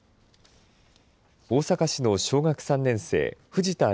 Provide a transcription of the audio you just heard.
大阪市の小学３年生藤田怜